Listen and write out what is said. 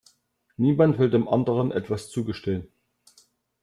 Niemand will dem anderen etwas zugestehen.